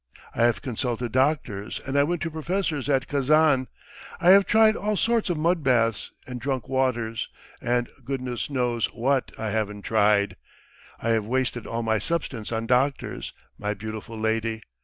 I have consulted doctors, and I went to professors at Kazan; I have tried all sorts of mud baths, and drunk waters, and goodness knows what I haven't tried! I have wasted all my substance on doctors, my beautiful lady.